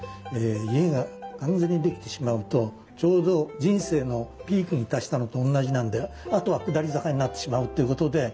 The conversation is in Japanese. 家が完全に出来てしまうとちょうど人生のピークに達したのとおんなじなんであとは下り坂になってしまうっていうことで。